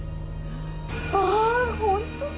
ああ本当だ！